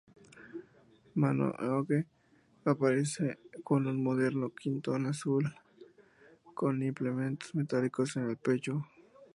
Minogue aparece con un moderno quitón azul, con implementos metálicos en el pecho.